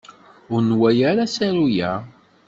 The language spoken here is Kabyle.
Ur nwala ara asaru-a.